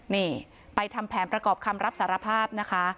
นี่ไปทำแผนประกอบคำรับสารภาพนะคะ